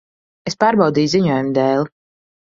Es pārbaudīju ziņojumu dēli.